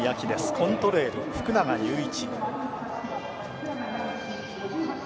コントレイル、福永祐一。